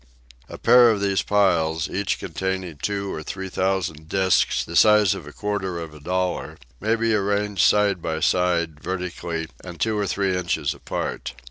A pair of these piles, each containing two or three thousand disks the size of a quarter of a dollar, may be arranged side by side, vertically, and two or three inches apart.